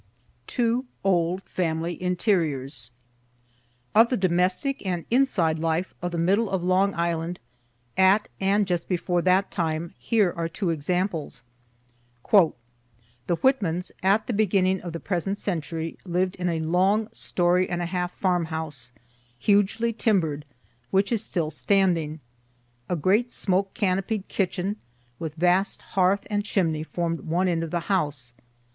TWO OLD FAMILY INTERIORS Of the domestic and inside life of the middle of Long Island, at and just before that time, here are two samples: "The Whitmans, at the beginning of the present century, lived in a long story and a half farm house, hugely timber'd, which is still standing. A great smoke canopied kitchen, with vast hearth and chimney, form'd one end of the house.